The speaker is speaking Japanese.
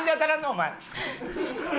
お前。